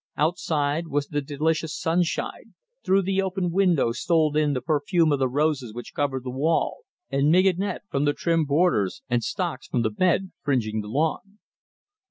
Outside was the delicious sunshine, through the open window stole in the perfume of the roses which covered the wall, and mignonette from the trim borders, and stocks from the bed fringing the lawn.